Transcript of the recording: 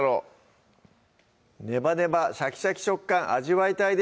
ねばねばシャキシャキ食感味わいたいです